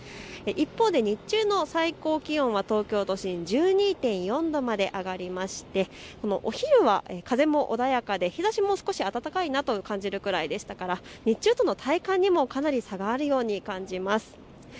一方で日中の最高気温は東京都心１２．４度まで上がりましてお昼は風も穏やかで日ざしも少し暖かいなと感じるくらいでしたから日中との体感の差もかなりあるように感じます。